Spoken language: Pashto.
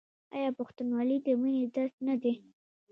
آیا پښتونولي د مینې درس نه دی؟